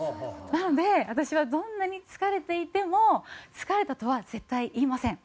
なので私はどんなに疲れていても「疲れた」とは絶対言いません。